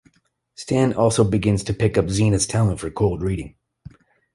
Stan also begins to pick up Zeena's talent for cold reading.